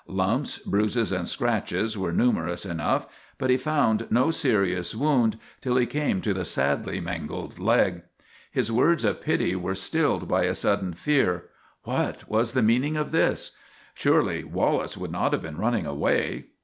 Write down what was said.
Lumps, bruises, and scratches were numerous enough, but he found no serious wound till he came to the sadly mangled leg. His words of pity were stilled by a sudden fear. What was the meaning of this? Surely Wallace could not have been running away!